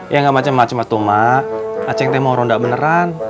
ya gapacem macem tuh mak acing mau ronda beneran